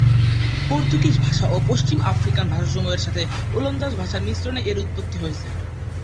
Portuguese ভাষা ও পশ্চিম আফ্রিকান ভাষাসমূহের সাথে ওলন্দাজ ভাষার মিশ্রণে এর উৎপত্তি হয়েছে।